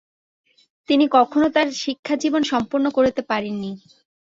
তিনি কখনো তার শিক্ষাজীবন সম্পন্ন করতে পারেননি।